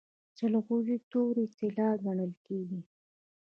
جلغوزي تورې طلا ګڼل کیږي.